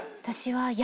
私は。